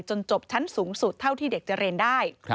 จบชั้นสูงสุดเท่าที่เด็กจะเรียนได้